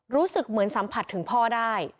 รู้สึกเหมือนสัมผัสถึงพ่อได้